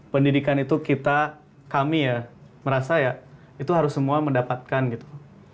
pendidikan itu kita kami ya merasa ya itu harus semua mendapatkan gitu